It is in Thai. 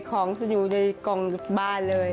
ของจะอยู่ในกล่องบ้านเลย